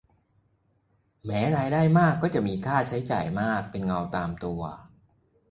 แม้รายได้มากก็จะมีค่าใช้จ่ายมากเป็นเงาตามตัว